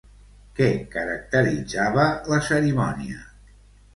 Què caracteritzava la cerimònia?